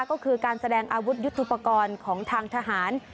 ก็คือการแสดงอาวุธยุทธุปกรณ์ของทางทหาร